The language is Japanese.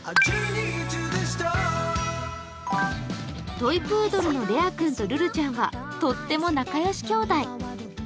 トイプードルのレア君とルルちゃんはとっても仲良しきょうだい。